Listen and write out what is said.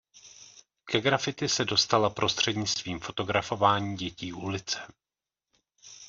Ke graffiti se dostala prostřednictvím fotografování dětí ulice.